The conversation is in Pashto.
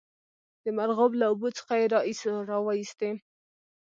د مرغاب له اوبو څخه یې را وایستی.